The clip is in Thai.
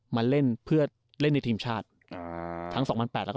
มาเล่นเพื่อเล่นในทีมชาติอ่าทั้งสองพันแปดแล้วก็